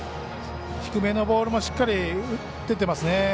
低めのボールもしっかり打てていますね。